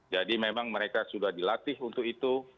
jadi memang mereka sudah dilakukan